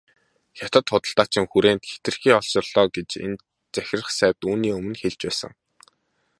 Хятад худалдаачин хүрээнд хэтэрхий олширлоо гэж энэ захирах сайд үүний өмнө хэлж байсан.